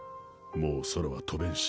もう空はとべんし